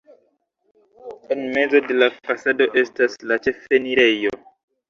En mezo de la fasado estas la ĉefenirejo.